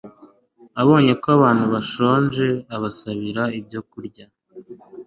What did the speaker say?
abonye ko abantu bashonje, abasabira ibyokurya